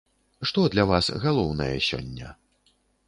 Што для вас галоўнае сёння?